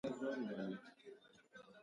جنګ د بشري حقونو ته زیان رسوي.